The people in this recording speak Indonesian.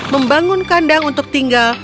membangun kandang untuk tinggal